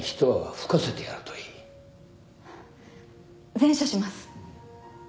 善処します。